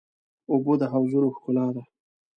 اوبه د حوضونو ښکلا ده.